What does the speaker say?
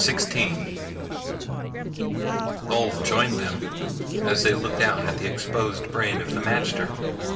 XVI Ulv joined them as they looked down at the exposed brain of the magter.